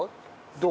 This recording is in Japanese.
どう？